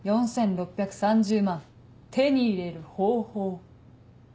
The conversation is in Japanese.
４６３０万手に入れる方法。